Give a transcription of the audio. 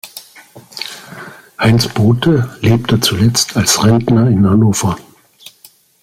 Heinz Bothe lebte zuletzt als Rentner in Hannover.